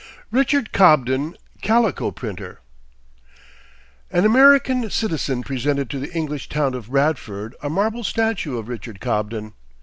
RICHARD COBDEN, CALICO PRINTER. An American citizen presented to the English town of Bradford a marble statue of Richard Cobden.